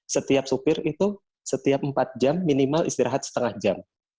setiap supir itu setiap empat jam minimal istirahat setengah jam